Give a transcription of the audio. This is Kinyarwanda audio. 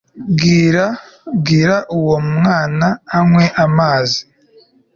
bwira uwo mwana anywe amazi